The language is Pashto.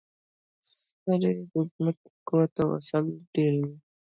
سرې د ځمکې قوت او حاصل ډیروي.